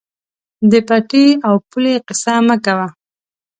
د پټي او پولې قیصه مه کوه.